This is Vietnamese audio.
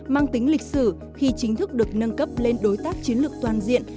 mang tính lịch sử khi chính thức được nâng cấp lên đối tác chiến lược toàn diện